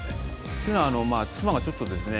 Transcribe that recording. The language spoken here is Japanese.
というのは妻がちょっとですね